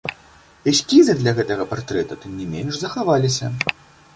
Эскізы для гэтага партрэта, тым не менш, захаваліся.